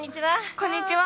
こんにちは。